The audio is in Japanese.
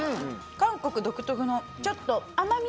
韓国独特のちょっと。